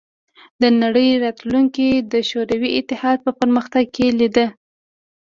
د نړۍ راتلونکې د شوروي اتحاد په پرمختګ کې لیده